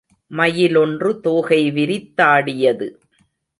மயிலொன்று தோகை விரித்தாடியது.